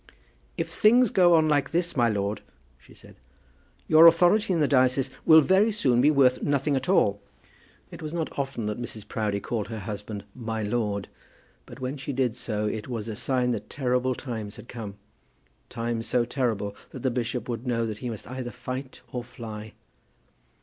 "If things go on like this, my lord," she said, "your authority in the diocese will very soon be worth nothing at all." It was not often that Mrs. Proudie called her husband my lord, but when she did do so, it was a sign that terrible times had come; times so terrible that the bishop would know that he must either fight or fly.